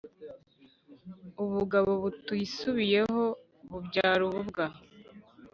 ubugabo butisubiraho bubyara ububwa